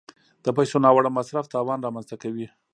د پیسو ناوړه مصرف تاوان رامنځته کوي.